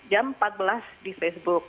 jam empat belas di facebook